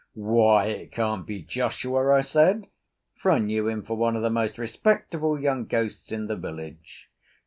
"Why, it can't be Joshua!" I said, for I knew him for one of the most respectable young ghosts in the village.